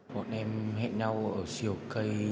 bọn em hẹn nhau ở siêu cây